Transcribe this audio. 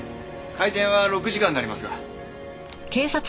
開店は６時からになりますが。